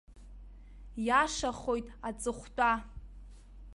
Иашахоит аҵыхәтәа.